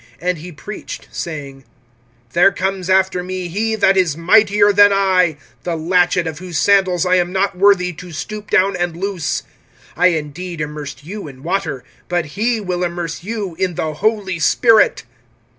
(7)And he preached, saying: There comes after me he that is mightier than I, the latchet of whose sandals I am not worthy to stoop down and loose. (8)I indeed immersed you in water; but he will immerse you in the Holy Spirit.